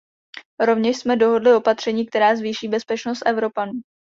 Rovněž jsme dohodli opatření, která zvýší bezpečnost Evropanů.